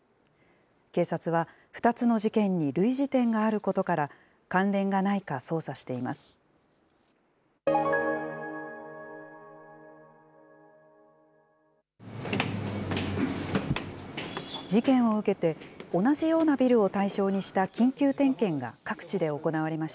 警察は２つの事件に類似点があることから、関連がないか捜査しています。